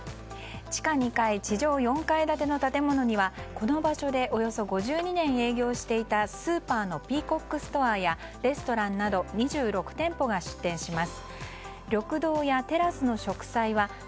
地下２階、地上４階建ての建物にはこの場所でおよそ５２年営業していたスーパーのピーコックストアやレストランなど続いてはソラよみです。